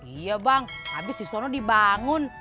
iya bang habis disana dibangun